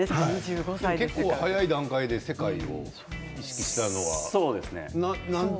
結構早い段階で世界を意識したのはなんで？